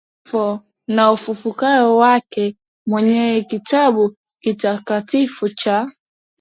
la kifo na ufufuko wake mwenyewe Kitabu kitakatifu cha